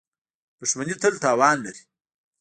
• دښمني تل تاوان لري.